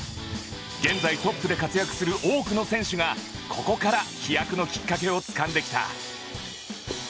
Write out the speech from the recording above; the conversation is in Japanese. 現在トップで活躍する多くの選手がここから飛躍のきっかけをつかんできた